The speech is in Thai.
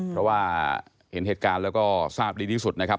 เพราะว่าเห็นเหตุการณ์แล้วก็ทราบดีที่สุดนะครับ